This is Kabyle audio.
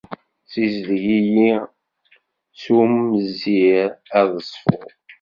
Ssizdeg-iyi s umezzir, ad ṣfuɣ.